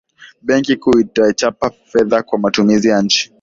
benki kuu inachapisha fedha kwa matumizi ya nchi